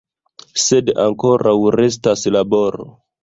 Sed ankoraŭ restas laboro.